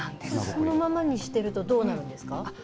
このままにしていると、どうなるんですか。